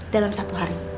dalam satu hari